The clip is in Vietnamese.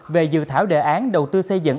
về dự thảo đề án đầu tư xây dựng